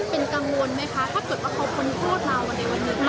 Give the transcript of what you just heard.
เป็นกังวลไหมคะถ้าเกิดว่าเขาพ้นโทษมาในวันหนึ่ง